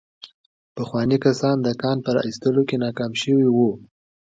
پخواني کسان د کان په را ايستلو کې ناکام شوي وو.